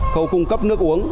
khâu cung cấp nước uống